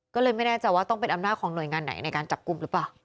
ก็เลยไม่แน่ใจว่าต้องเป็นอำนาจของหน่วยงานไหนในการจับกลุ่มหรือเปล่า